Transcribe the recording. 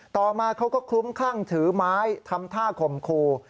ต่อมาเขาก็คลุ้มคลั่งถือไม้ทำท่าข่มครู